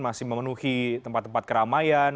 masih memenuhi tempat tempat keramaian